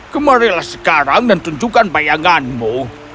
kemarilah sekarang dan tunjukkan bayanganmu